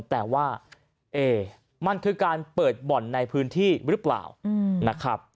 แต่ว่ามันคือการเปิดบ่อนในพื้นที่หรือเปล่านะครับ